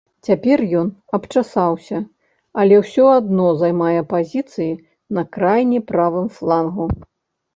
Цяпер ён абчасаўся, але ўсё адно займае пазіцыі на крайне правым флангу.